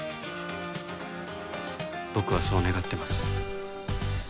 僕はそう願ってます。